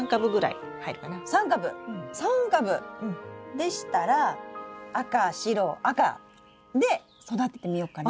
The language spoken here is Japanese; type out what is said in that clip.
でしたら赤白赤で育ててみよっかな！